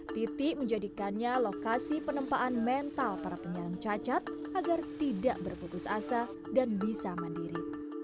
titi menjadikannya lokasi penempaan mental para penyarang cacat agar tidak berputus asa dan bisa mandiri